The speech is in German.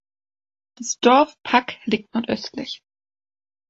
Das Dorf Pack liegt nordöstlich.